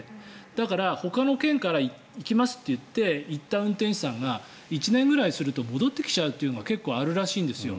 だからほかの県から行きますと言って行った運転手さんが１年ぐらいすると戻ってきちゃうというのが結構あるらしいんですよ。